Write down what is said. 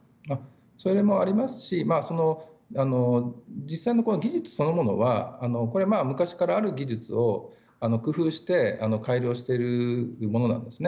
それもありますし実際、技術そのものはこれは昔からある技術を工夫して改良しているものなんですね。